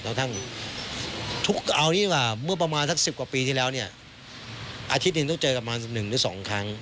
กระทั่งเอาอย่างนี้ดีกว่าเมื่อประมาณสัก๑๐กว่าปีที่แล้วเนี่ยอาทิตย์หนึ่งต้องเจอกันมา๑หรือ๒ครั้ง